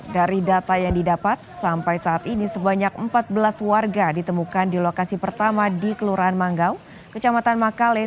dari data yang didapat sampai saat ini sebanyak empat belas warga ditemukan di lokasi pertama di kelurahan manggau kecamatan makale